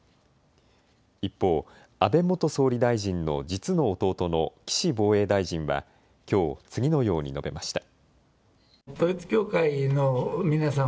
一方、安倍元総理大臣の実の弟の岸防衛大臣はきょう次のように述べました。